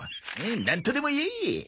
なんとでも言え！